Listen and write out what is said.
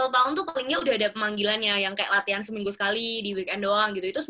sepuluh tahun tuh palingnya udah ada pemanggilannya yang kayak latihan seminggu sekali di weekend doang gitu